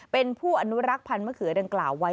เป็นผู้อนุรักษ์พันธ์มะเขือดังกล่าวไว้